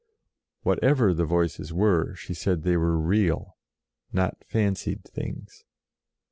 Whatever the Voices were, she said they were real, not fancied things.